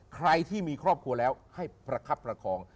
ใครที่มีครอบครัวแล้วให้ประคับประคอง